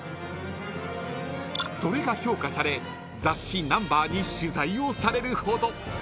［それが評価され雑誌『Ｎｕｍｂｅｒ』に取材をされるほど］